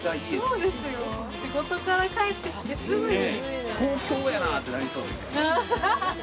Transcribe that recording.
そうですよ、仕事から帰ってきてすぐに。